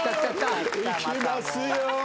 いきますよ。